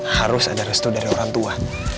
harus ada restu dari orang tua